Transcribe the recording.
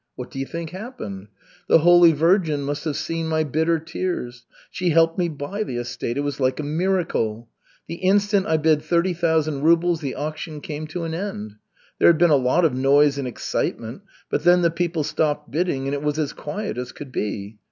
What do you think happened? The Holy Virgin must have seen my bitter tears. She helped me buy the estate. It was like a miracle. The instant I bid thirty thousand rubles the auction came to an end. There had been a lot of noise and excitement, but then the people stopped bidding, and it was as quiet as could be.